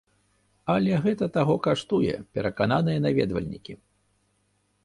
Але гэта таго каштуе, перакананыя наведвальнікі.